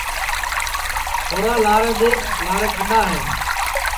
چھورا لارے دؔیکھ لارے کھڈؔا ہے